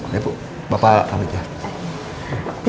ya bu bapak salam sejahtera